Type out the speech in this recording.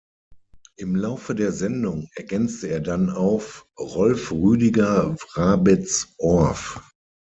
Im Laufe der Sendung ergänzte er dann auf: Rolf Rüdiger Wrabetz-Orf.